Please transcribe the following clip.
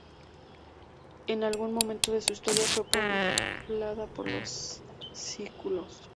En algún momento de su historia fue poblada por los sículos.